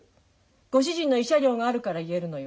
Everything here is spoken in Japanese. ご主人の慰謝料があるから言えるのよ。